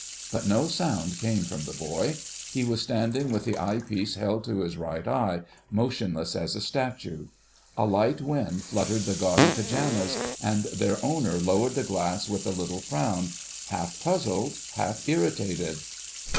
But no sound came from the boy. He was standing with the eye piece held to his right eye, motionless as a statue. A light wind fluttered the gaudy pyjamas, and their owner lowered the glass with a little frown, half puzzled, half irritated.